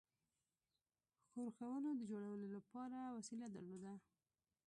ښورښونو د جوړولو لپاره وسیله درلوده.